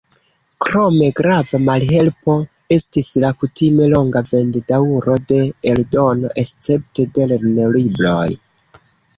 Krome, grava malhelpo estis la kutime longa vend-daŭro de eldono, escepte de lernolibroj.